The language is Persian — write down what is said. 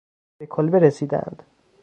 به کلبه رسیدند.